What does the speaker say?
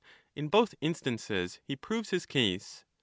In both instances he proves his case.